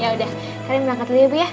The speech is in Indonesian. ya udah karin berangkat dulu ya ibu ya